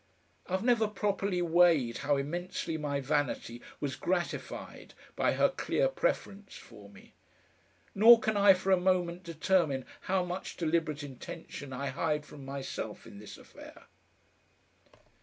I've never properly weighed how immensely my vanity was gratified by her clear preference for me. Nor can I for a moment determine how much deliberate intention I hide from myself in this affair.